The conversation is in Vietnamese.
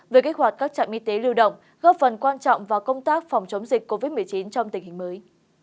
về kích hoạt các trạm y tế lưu động góp phần quan trọng vào công tác phòng chống dịch covid một mươi chín trong tình hình mới